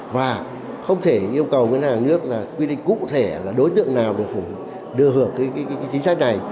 và không thể yêu cầu ngân hàng nước quy định cụ thể là đối tượng nào được đưa hưởng cái chính sách này